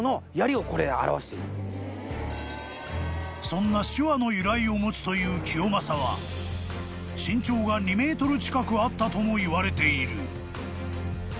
［そんな手話の由来を持つという清正は身長が２ｍ近くあったともいわれている］